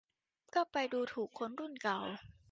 ก็ไปดูถูกคนรุ่นเก่า